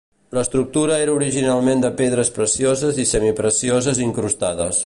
L'estructura era originalment de pedres precioses i semi-precioses incrustades.